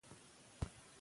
مورنۍ ژبه بې پروایي کموي.